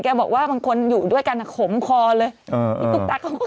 แกบอกว่าบางคนอยู่ด้วยกันขมคอเลย